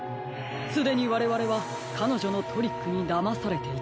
すでにわれわれはかのじょのトリックにだまされていたようです。